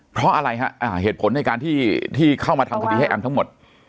เพราะอะไรฮะเหตุผลในการที่เข้ามาทำคดีให้แอมทั้งหมด